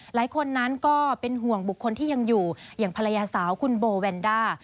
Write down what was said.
หลายคนนั้นก็เป็นห่วงบุคคลที่ยังอยู่อย่างภรรยาสาวคุณโบแวนด้า